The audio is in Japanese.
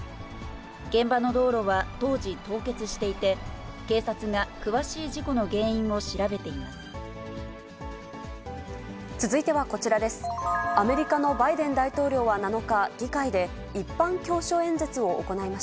現場の道路は当時、凍結していて、警察が詳しい事故の原因を調べて続いてはこちらです。